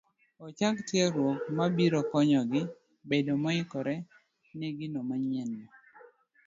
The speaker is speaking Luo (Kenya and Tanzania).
ochak tiegruok mabiro konyogi bedo moikore ne gino manyienno.